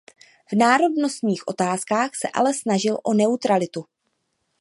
V národnostních otázkách se ale snažil o neutralitu.